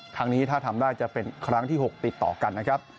ครั้งนี้ถ้าทำได้จะเป็นครั้งที่๖ติดต่อกันนะครับ